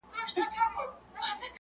خوب مي دی لیدلی جهاني ریشتیا دي نه سي!